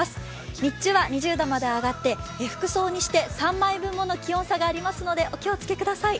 日中は２０度まで上がって、服装にして３枚分もの気温差がありますのでお気をつけください。